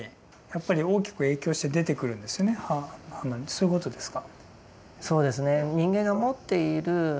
そういうことですか？